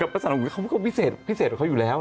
ก็ประสาทเขาพี่เสธพี่เสธกันพี่เสธกันเค้าอยู่แล้ว